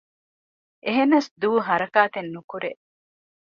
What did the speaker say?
އެހެނަސް ދޫ ހަރަކާތެއްނުކުރޭ